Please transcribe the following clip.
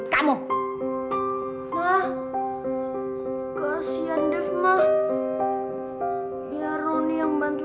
udah pulang ya ampun